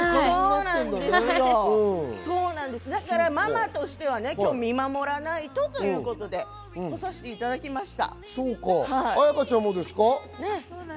だからママとしては見守らないとということで来させていただきました。